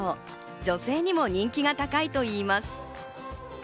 女性にも人気が高いといいます。